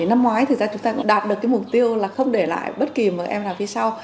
năm ngoái thực ra chúng ta đã đạt được mục tiêu là không để lại bất kỳ em nào phía sau